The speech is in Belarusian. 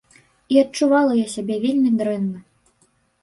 І адчувала я сябе вельмі дрэнна.